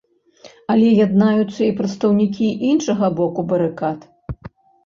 Але яднаюцца і прадстаўнікі іншага боку барыкад.